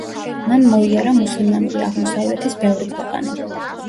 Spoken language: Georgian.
მან მოიარა მუსლიმანური აღმოსავლეთის ბევრი ქვეყანა.